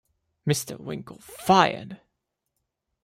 Mr. Winkle fired.